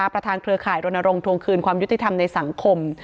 ที่ประธานเครือข่ายธนารงค์ถวงคืนความยุติธรรมในสังคม